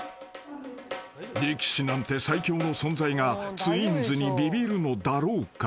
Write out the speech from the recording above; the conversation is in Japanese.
［力士なんて最強の存在がツインズにビビるのだろうか？］